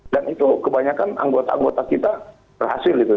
dan itu kebanyakan anggota anggota kita berhasil gitu